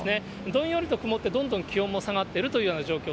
どんよりと曇ってどんどん気温も下がってるというような状況。